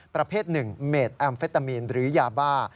ประเภท๑เมดแอมเฟตามีนหรือยาบ้า